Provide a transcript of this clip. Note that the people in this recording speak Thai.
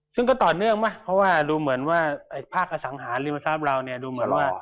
ซึ่งก็ต่อเนื่องไหมเพราะว่าดูเหมือนว่าภาคอสังหาริมทรัพย์เราเนี่ยดูเหมือนว่า